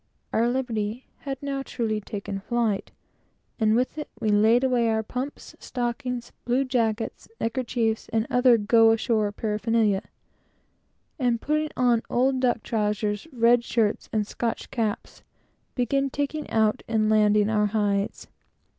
Our liberty had now truly taken flight, and with it we laid away our pumps, stockings, blue jackets, neckerchiefs, and other go ashore paraphernalia, and putting on old duck trowsers, red shirts, and Scotch caps, began taking out and landing our hides.